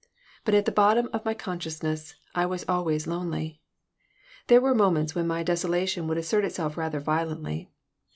But at the bottom of my consciousness I was always lonely There were moments when my desolation would assert itself rather violently.